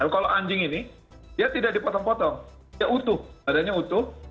kalau anjing ini dia tidak dipotong potong dia utuh badannya utuh